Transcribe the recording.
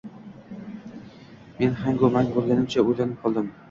Men hangu mang bo‘lgancha o‘ylanib qoldim